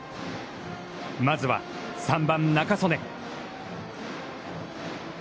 まずは、３番仲宗根。